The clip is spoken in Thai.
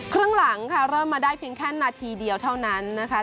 ครึ่งหลังค่ะเริ่มมาได้เพียงแค่นาทีเดียวเท่านั้นนะคะ